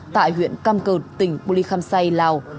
tại huyện căm cầu tỉnh bùi lì kham say lào